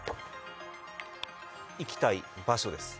行きたい場所です。